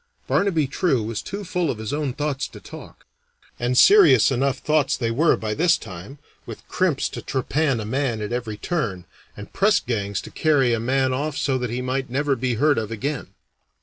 Barnaby True was too full of his own thoughts to talk and serious enough thoughts they were by this time, with crimps to trepan a man at every turn, and press gangs to carry a man off so that he might never be heard of again.